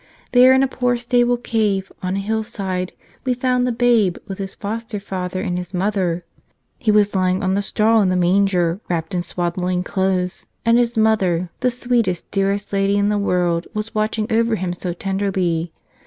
There in a poor stable cave on a hillside we found the Babe with His foster father and His Mother. He was lying on the straw in the man¬ ger, wrapped in swaddling clothes; and His Mother, the sweetest, dearest Lady in the world, was watching over Him so tenderly.